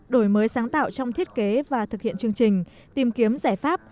đổi mới sáng tạo trong thiết kế và thực hiện chương trình tìm kiếm giải pháp